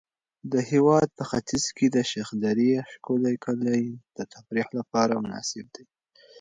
د هېواد په ختیځ کې د شخدرې ښکلي کلي د تفریح لپاره مناسب دي.